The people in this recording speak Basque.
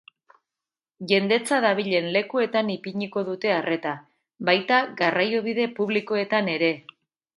Jendetza dabilen lekuetan ipiniko dute arreta, baita garraiobide publikoetan ere.